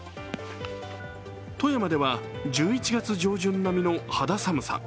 富山では１１月上旬並みの肌寒さ。